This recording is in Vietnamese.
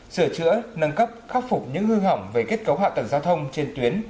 sửa chữa nâng cấp khắc phục những hư hỏng về kết cấu hạ tầng giao thông trên tuyến